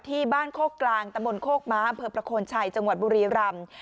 ที่บ้านโคกกลางตะบนโคกม้าอำเภอประโคนชัยจังหวัดบุรีรำ